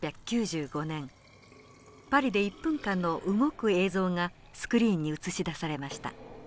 パリで１分間の動く映像がスクリーンに映し出されました。